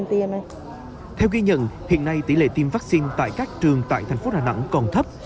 theo ghi nhận hiện nay tỷ lệ tiêm vaccine tại các trường tại thành phố đà nẵng còn thấp